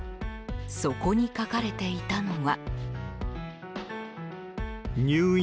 そこに書かれていたのは。